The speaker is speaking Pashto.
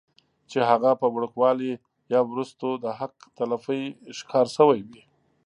چې هغه پۀ وړوکوالي يا وروستو د حق تلفۍ ښکار شوي وي